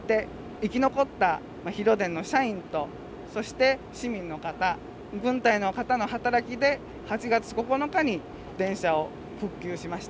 生き残った広電の社員とそして市民の方軍隊の方の働きで８月９日に電車を復旧しました。